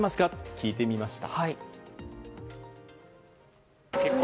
聞いてみました。